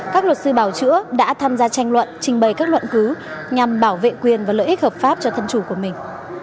các luật sư bảo chữa đã tham gia tranh luận trình bày các luận cứ nhằm bảo vệ quyền và lợi ích hợp pháp cho thân chủ của mình